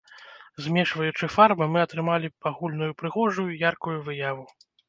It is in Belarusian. Змешваючы фарбы, мы атрымалі агульную прыгожую і яркую выяву.